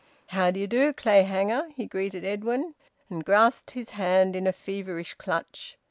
"How d'ye do, Clayhanger?" He greeted Edwin, and grasped his hand in a feverish clutch.